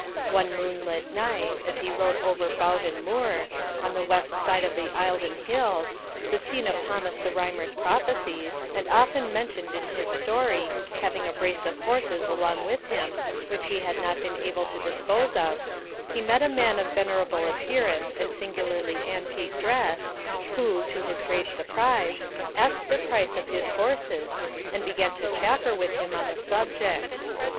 One moonlight night, as he rode over Bowden Moor, on the west side of the Eildon Hills, the scene of Thomas the Rhymer's prophecies, and often mentioned in his story, having a brace of horses along with him which he had not been able to dispose of, he met a man of venerable appearance and singularly antique dress, who, to his great surprise, asked the price of his horses, and began to chaffer with him on the subject.